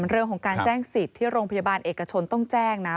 เรื่องของการแจ้งสิทธิ์ที่โรงพยาบาลเอกชนต้องแจ้งนะ